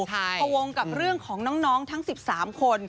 พวงกับเรื่องของน้องทั้ง๑๓คน